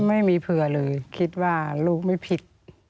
ไม่มีเผื่อเลยคิดว่าลูกไม่ผิด